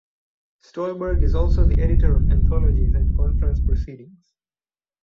Stollberg is also the editor of anthologies and conference proceedings.